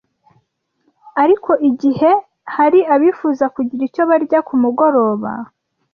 ariko igihe hari abifuza kugira icyo barya ku mugoroba